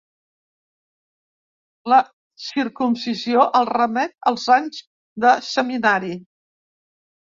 La circumcisió el remet als anys de seminari.